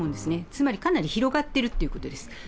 つまり、かなり広がっているということです。